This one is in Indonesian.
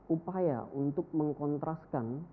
upaya untuk mengkontraskan